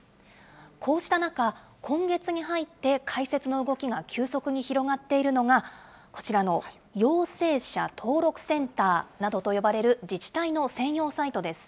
こうした中、今月に入って開設の動きが急速に広がっているのが、こちらの陽性者登録センターなどと呼ばれる自治体の専用サイトです。